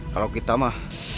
kalau kita mah